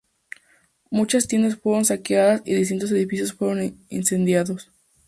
Muchas tiendas fueron saqueadas y distintos edificios fueron incendiados.